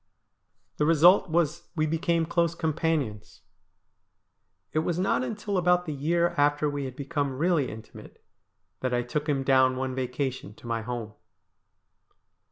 The result was we became close companions. It was not until about the year after we had become really intimate that I took him down one vacation to my home.